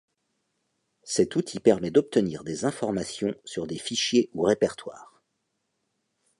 Cet outil permet d'obtenir des informations sur des fichiers ou répertoires.